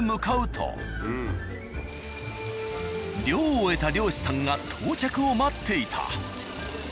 漁を終えた漁師さんが到着を待っていた。